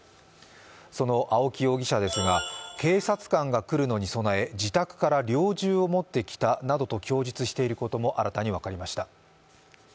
その青木容疑者ですが、警察官が来るのに備え、自宅から猟銃を持ってきたなどと供述していることも新たに分かりました。